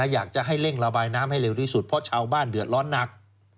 อยากจะให้เร่งระบายน้ำให้เร็วที่สุดเพราะชาวบ้านเดือดร้อนหนัก